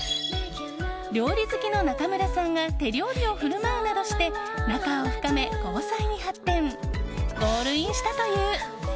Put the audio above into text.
料理好きの中村さんが手料理を振る舞うなどして仲を深め交際に発展ゴールインしたという。